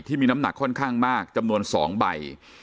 ที่มีน้ำหนักค่อนข้างมากจำนวน๒ใบ